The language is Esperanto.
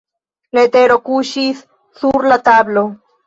Letero kuŝis sur la tablo.